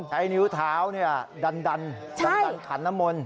ใช้นิ้วเท้าดันขันน้ำมนต